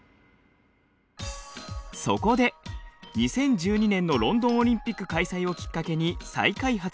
そこで２０１２年のロンドンオリンピック開催をきっかけに再開発。